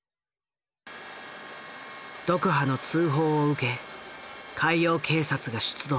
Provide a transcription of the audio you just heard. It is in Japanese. ドクハの通報を受け海洋警察が出動。